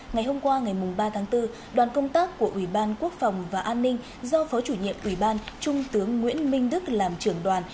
ngày hôm qua ngày ba tháng bốn đoàn công tác của ủy ban quốc phòng và an ninh do phó chủ nhiệm ủy ban trung tướng nguyễn minh đức làm trưởng đoàn